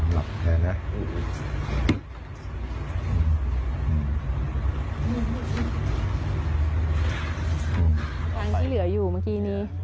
หลังที่เหลืออยู่เมื่อกี้นี้